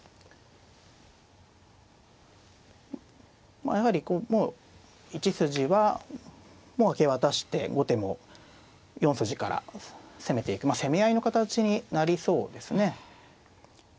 まあやはりこうもう１筋は明け渡して後手も４筋から攻めていく攻め合いの形になりそうですね。